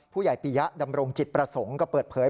ปียะดำรงจิตประสงค์ก็เปิดเผย